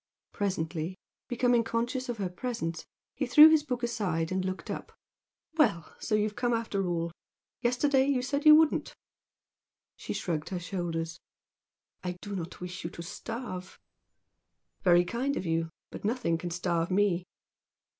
Presently, becoming conscious of her presence, he threw his book aside and looked up. "Well! So you've come after all! Yesterday you said you wouldn't." She shrugged her shoulders. "I do not wish you to starve." "Very kind of you! But nothing can starve me."